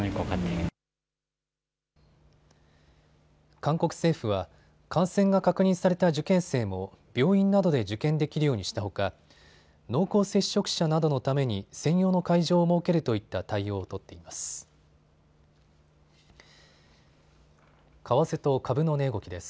韓国政府は感染が確認された受験生も病院などで受験できるようにしたほか濃厚接触者などのために専用の会場を設けるといった対応を取っています。